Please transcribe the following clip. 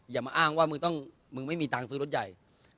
อย๋อ้างมึงไม่มีตังค์ซื้อรถใหญ่